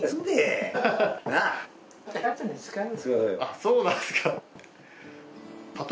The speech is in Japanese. そうなんですか。